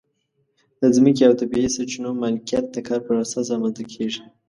د ځمکې او طبیعي سرچینو مالکیت د کار پر اساس رامنځته کېږي.